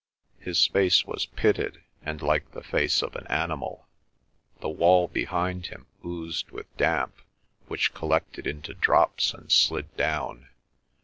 His face was pitted and like the face of an animal. The wall behind him oozed with damp, which collected into drops and slid down.